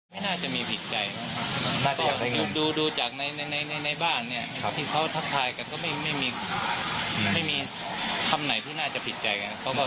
ที่ต้องทำราคาแล้วแล้วก็เลยรู้จักกัน